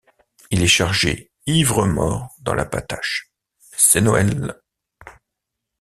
Il est chargé ivre-mort dans la patache, c'est Noël.